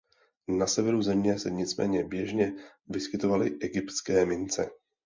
Na severu země se nicméně běžně vyskytovaly egyptské mince.